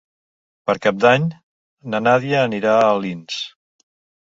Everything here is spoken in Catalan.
Per Cap d'Any na Nàdia anirà a Alins.